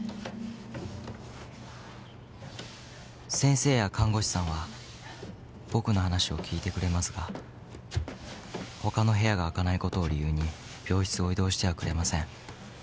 ［先生や看護師さんは僕の話を聞いてくれますが他の部屋が空かないことを理由に病室を移動してはくれません］